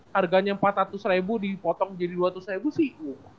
harganya empat ratus dipotong jadi dua ratus sih